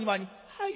「はい。